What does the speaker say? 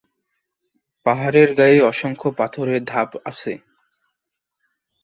পাহাড়ের গায়ে অসংখ্য পাথরের ধাপ আছে।